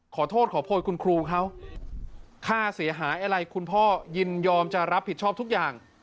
ขอโทษขอโพยคุณครูเขาค่าเสียหายอะไรคุณพ่อยินยอมจะรับผิดชอบทุกอย่าง